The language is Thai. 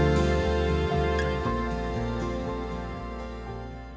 โปรดติดตามตอนต่อไป